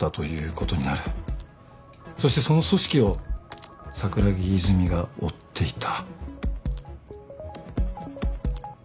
そしてその組織を桜木泉が追っていた。